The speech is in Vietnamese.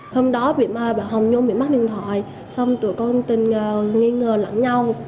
hôm đó bị bà hồng nhung bị mắc điện thoại xong tụi con tình nghi ngờ lẫn nhau